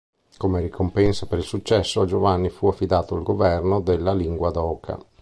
Come ricompensa per il successo, a Giovanni fu affidato il governo della Linguadoca.